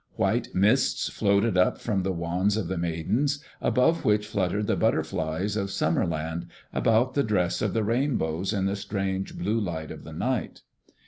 White mists floated up from the wands of the Maidens, above which fluttered the butterflies of Summer land about the dress of the Rainbows in the strange blue light of the night.